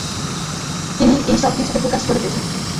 তিনিই এই সব কিছুকে প্রকাশ করিতেছেন।